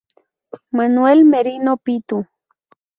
Manuel Merino Pitu.